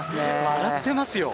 笑ってますよ。